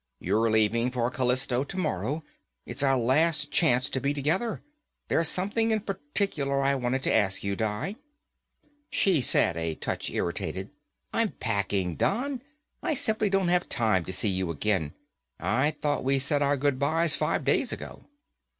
You're leaving for Callisto tomorrow. It's our last chance to be together. There's something in particular I wanted to ask you, Di." She said, a touch irritated, "I'm packing, Don. I simply don't have time to see you again. I thought we said our goodbyes five days ago."